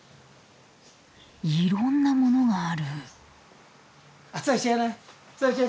いろんなものがある。